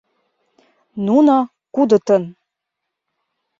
Нуно — кудытын!